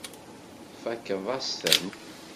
Tfakkeḍ-as-tent.